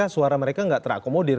suara mereka nggak terakomodir